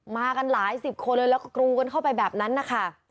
มากันหลายสิบคนเลยแล้วก็กรูกันเข้าไปแบบนั้นนะคะ